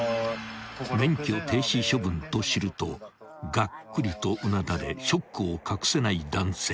［免許停止処分と知るとがっくりとうなだれショックを隠せない男性］